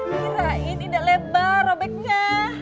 kirain tidak lebar robeknya